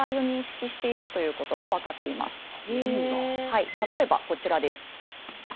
はい例えばこちらです。